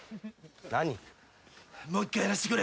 何？